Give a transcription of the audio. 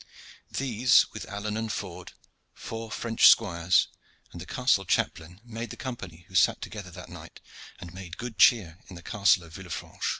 These with Alleyne and Ford, four French squires, and the castle chaplain, made the company who sat together that night and made good cheer in the Castle of Villefranche.